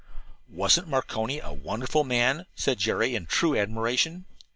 "Wasn't Marconi a wonderful man?" said Jerry in true admiration.